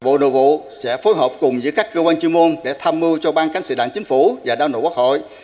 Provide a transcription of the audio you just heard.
bộ nội vụ sẽ phối hợp cùng với các cơ quan chuyên môn để tham mưu cho ban cánh sự đảng chính phủ và đảng nội quốc hội